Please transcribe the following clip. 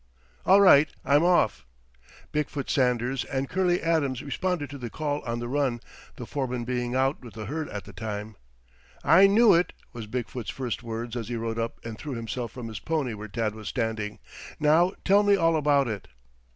"All right. I'm off." Big foot Sanders and Curley Adams responded to the call on the run, the foreman being out with the herd at the time. "I knew it," was Big foot's first words as he rode up and threw himself from his pony where Tad was standing. "Now tell me all about it."